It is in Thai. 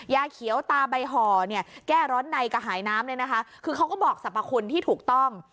ยาเขียวตาใบห่อเนี่ยแก้ร้อนในกระหายน้ำเนี่ยนะคะคือเขาก็บอกสรรพคุณที่ถูกต้อง